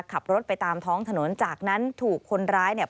ขับรถไปตามท้องถนนจากนั้นถูกคนร้ายเนี่ย